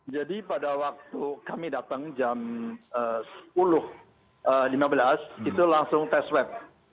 jadi pada waktu kami datang jam sepuluh lima belas itu langsung test web